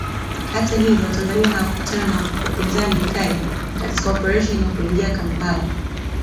Hata hivyo watanzania hawakukutana na upinzani mkali katika operesheni ya kuingia Kampala